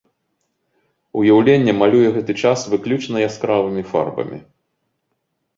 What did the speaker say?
Уяўленне малюе гэты час выключна яскравымі фарбамі.